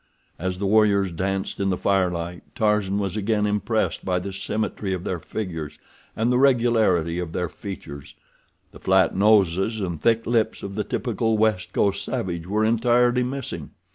As the warriors danced in the firelight, Tarzan was again impressed by the symmetry of their figures and the regularity of their features—the flat noses and thick lips of the typical West Coast savage were entirely missing.